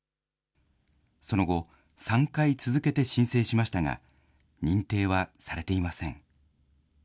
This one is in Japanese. その後、３回続けて申請しましたが、認定はされていません。